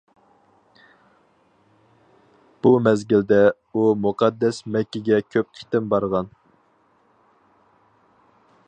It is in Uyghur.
بۇ مەزگىلدە، ئۇ مۇقەددەس مەككىگە كۆپ قېتىم بارغان.